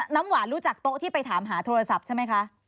น้ำหวานรู้จักโต๊ะที่ไปถามหาโทรศัพท์ใช่ไหมคะ